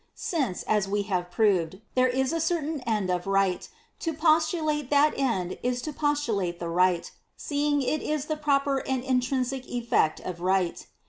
Since, as we have proved, there is a certain end of Right, to postulate that end is to postulate the Right, seeing it is the proper and intrinsic effect of Right.